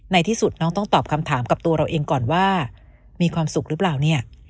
ในที่สุดน้องต้องตอบคำถามกับตัวเราเองก่อนว่ามีความสุขหรือเปล่าเนี่ย